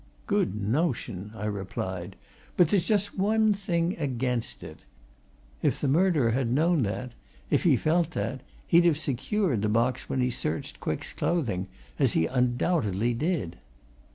"Good notion!" I replied. "But there's just one thing against it. If the murderer had known that, if he felt that, he'd have secured the box when he searched Quick's clothing, as he undoubtedly did."